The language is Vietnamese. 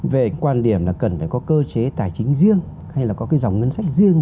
về quan điểm là cần phải có cơ chế tài chính riêng hay là có cái dòng ngân sách riêng